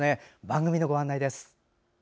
番組のご案内です。